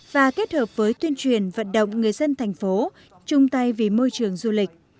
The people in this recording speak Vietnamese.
và kết hợp với tuyên truyền vận động người dân thành phố chung tay vì môi trường du lịch